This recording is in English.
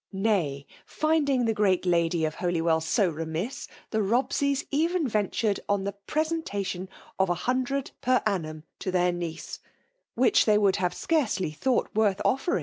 Kay; finding the great lady of Holywell so remiss, dke Bobseys even ventured on the prescu tition of a hiipAred per annum to their niece, whfch they wrould have scarcely thought x>3 56 VBMALK DOlflNATION.